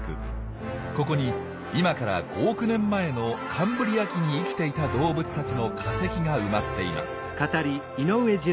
ここに今から５億年前のカンブリア紀に生きていた動物たちの化石が埋まっています。